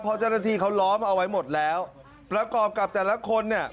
เพราะเจ้าหน้าที่เขาล้อมเอาไว้หมดแล้วประกอบกับแต่ละคนเนี่ย